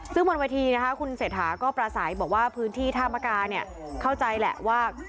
ซึ่งบนเวทีนะคะคุณเศรษฐาก็ประสัยบอกว่าพื้นที่ท่ามกาเข้าใจแหละว่า